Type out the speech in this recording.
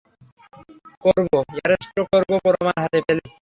করবো, অ্যারেস্টও করবো, প্রমাণ হাতে পেলেই।